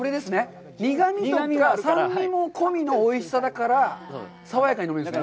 苦みとか酸味も込みのおいしさだから、爽やかに飲めるんですね。